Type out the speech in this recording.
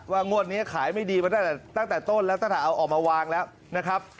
งวดนี้ขายไม่ดีมาตั้งแต่ต้นแล้วตั้งแต่เอาออกมาวางแล้วนะครับ